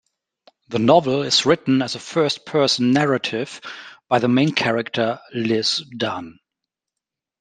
The novel is written as a first-person narrative by the main character, Liz Dunn.